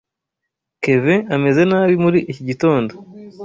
Kevin ameze nabi muri iki gitondo.